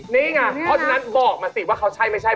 นี่ไงเพราะฉะนั้นบอกมาสิว่าเขาใช่ไม่ใช่